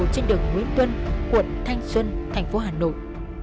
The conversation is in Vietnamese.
trên đường nguyễn tuân quận thanh xuân thành phố hà nội